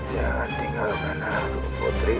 jangan tinggalkan aku putriku